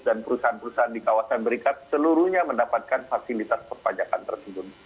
dan perusahaan perusahaan di kawasan berikat seluruhnya mendapatkan fasilitas perpajakan tersebut